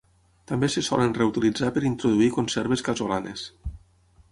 També se solen reutilitzar per introduir conserves casolanes.